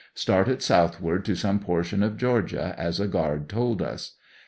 Started southward to some portion of Georgia, as a guard told us.